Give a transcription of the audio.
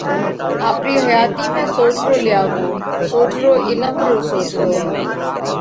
آپرِي حياتِي ۾ سوجھرو لياوو، سوجھرو عِلم رو سوجھرو۔